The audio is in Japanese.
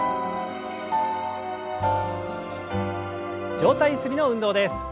上体ゆすりの運動です。